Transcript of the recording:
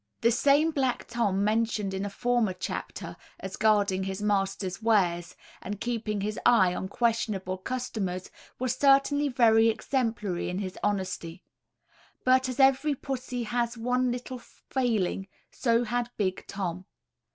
The same black Tom mentioned in a former chapter, as guarding his master's wares, and keeping his eye on questionable customers, was certainly very exemplary in his honesty; but as every pussy has one little failing so had big Tom.